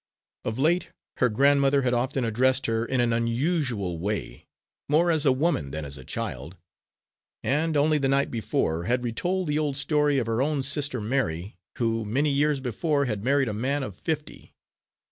Of late her grandmother had often addressed her in an unusual way, more as a woman than as a child; and, only the night before, had retold the old story of her own sister Mary, who, many years before, had married a man of fifty.